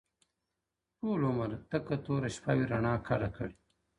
o ټول عمر تكه توره شپه وي رڼا كډه كړې.